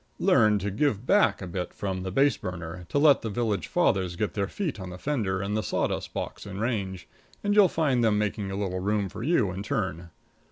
Learn to give back a bit from the base burner, to let the village fathers get their feet on the fender and the sawdust box in range, and you'll find them making a little room for you in turn.